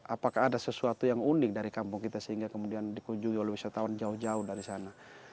apakah ada sesuatu yang unik dari kampung kita sehingga kemudian dikunjungi oleh wisatawan jauh jauh dari sana